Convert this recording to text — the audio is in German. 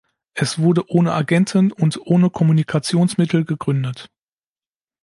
Es wurde ohne Agenten und ohne Kommunikationsmittel gegründet.